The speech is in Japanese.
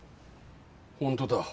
本当だ。